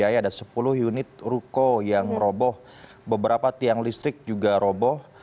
ada sepuluh unit ruko yang roboh beberapa tiang listrik juga roboh